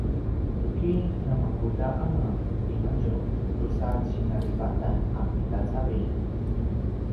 tuki namakudanga timadju tusa cinalivatan a pida cavilj?